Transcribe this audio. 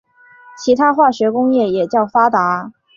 其化学工业也较发达。